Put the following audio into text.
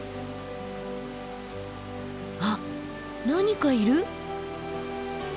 あっ何かいる。